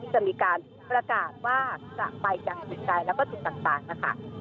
ที่จะมีการระกาศว่าจะไปจากสินใจแล้วก็สุดต่างนะคะ